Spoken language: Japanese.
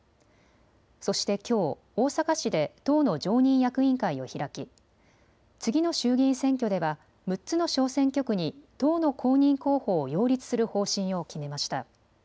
そして、きょう大阪市で党の常任役員会を開き次の衆議院選挙では６つの小選挙区に党の公認候補を擁立する方針を決めました。